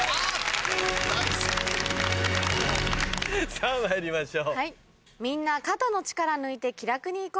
さぁまいりましょう。